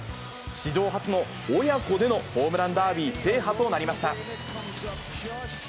史上初の親子でのホームランダービー制覇となりました。